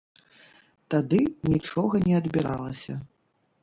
Тады нічога не адбіралася.